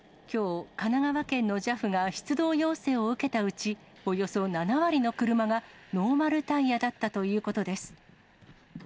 きょう、神奈川県のＪＡＦが出動要請を受けたうち、およそ７割の車が、ノーマルタイヤだったということです。